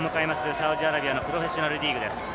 サウジアラビアのプロフェッショナルリーグです。